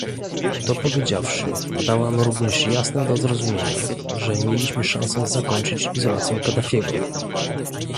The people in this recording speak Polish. To powiedziawszy, dałam również jasno do zrozumienia, że mieliśmy szansę zakończyć izolację Kaddafiego